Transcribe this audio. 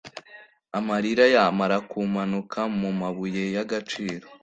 Amarira yamara kumanuka mumabuye yagaciro